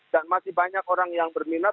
dan masih banyak orang yang berminat